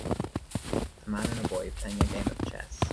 A man and boy playing a game of chess.